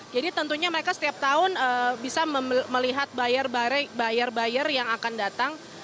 jadi tentunya mereka setiap tahun bisa melihat buyer buyer yang akan datang